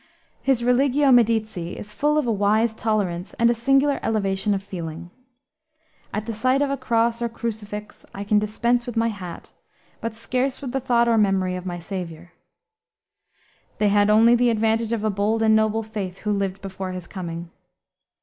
His Religio Medici is full of a wise tolerance and a singular elevation of feeling. "At the sight of a cross, or crucifix, I can dispense with my hat, but scarce with the thought or memory of my Saviour." "They only had the advantage of a bold and noble faith, who lived before his coming."